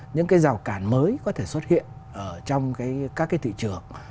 những cái rào cản mới có thể xuất hiện ở trong các cái thị trường